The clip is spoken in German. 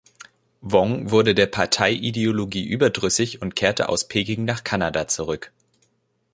Wong wurde der Parteiideologie überdrüssig und kehrte aus Peking nach Kanada zurück.